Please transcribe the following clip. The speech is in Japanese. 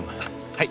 はい。